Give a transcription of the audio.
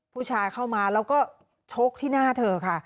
เข้ามาแล้วก็ชกที่หน้าเธอค่ะ